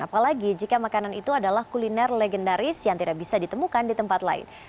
apalagi jika makanan itu adalah kuliner legendaris yang tidak bisa ditemukan di tempat lain